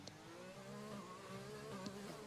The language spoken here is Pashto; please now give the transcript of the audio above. پښتو باید دټیکنالوژۍ ژبه وګرځوو.